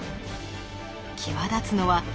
際立つのは高さ